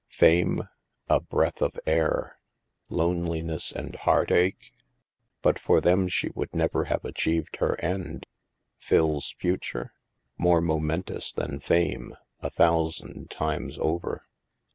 Fame? A breath of air. Loneliness and heart ache ? But for them she would never have achieved her end. Phil's future? More momentous than fame, a thousand times over.